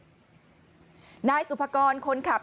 เกิดเหตุนายสุภากรคนขับ